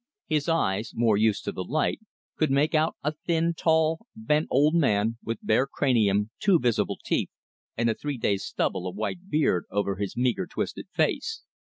His eyes, more used to the light, could make out a thin, tall, bent old man, with bare cranium, two visible teeth, and a three days' stubble of white beard over his meager, twisted face.